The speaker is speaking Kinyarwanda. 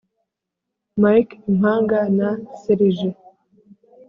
mike impanga na serije